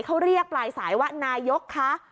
เขาเรียกปลายสายว่านายกคะ